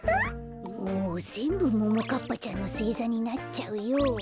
もうぜんぶももかっぱちゃんのせいざになっちゃうよ。